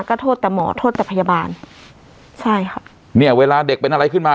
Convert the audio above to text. ก็โทษแต่หมอโทษแต่พยาบาลใช่ค่ะเนี่ยเวลาเด็กเป็นอะไรขึ้นมา